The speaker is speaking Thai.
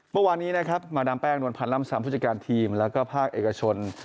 เมื่อวานนี้นะครับมาดามแป้งนวลพันธ์ล่ำซ้ำผู้จัดการทีมแล้วก็ภาคเอกชน